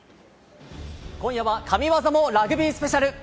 今夜は神技もラグビースペシャル。